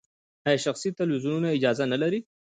آیا شخصي تلویزیونونه اجازه نلري؟